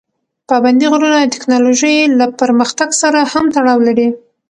پابندي غرونه د تکنالوژۍ له پرمختګ سره هم تړاو لري.